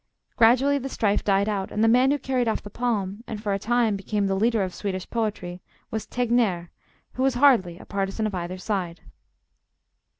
Gradually the strife died out, and the man who carried off the palm, and for a time became the leader of Swedish poetry, was Tegnèr, who was hardly a partisan of either side.